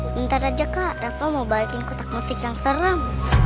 bentar aja kak rafa mau balikin kotak musik yang serem